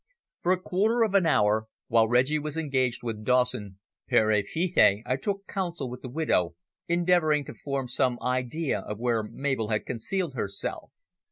For a quarter of an hour, while Reggie was engaged with Dawson pere et fille, I took counsel with the widow, endeavouring to form some idea of where Mabel had concealed herself.